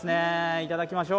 いただきましょう。